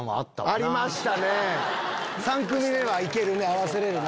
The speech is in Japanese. ３組目は行けるね合わせれるね。